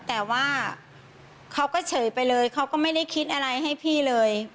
แต่ว่าเขาก็เฉยไปเลยเขาก็ไม่ได้คิดอะไรให้พี่เลย